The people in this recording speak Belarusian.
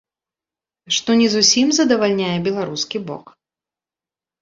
Што не зусім задавальняе беларускі бок.